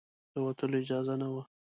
د وتلو اجازه نه وه.